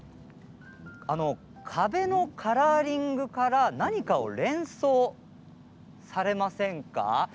壁のカラーリングから何かを連想されませんか？